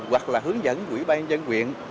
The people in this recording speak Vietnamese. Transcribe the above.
hoặc là hướng dẫn quỹ ban nhân huyện